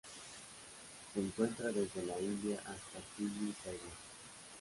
Se encuentra desde la India hasta Fiyi y Taiwán.